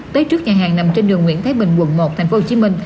tới trước nhà hàng nằm trên đường nguyễn thái bình quận một tp hcm